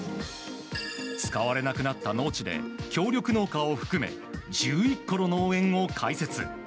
使われなくなった農地で協力農家を含め１１個の農園を開設。